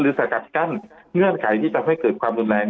สกัดกั้นเงื่อนไขที่ทำให้เกิดความรุนแรง